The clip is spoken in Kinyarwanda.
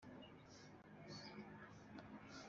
Ni we wishyura amafaranga.